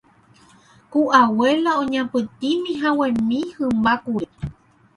ku abuela oñapytĩhaguémi hymba kure